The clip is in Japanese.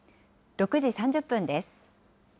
６時３０分です。